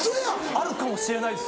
あるかもしれないです。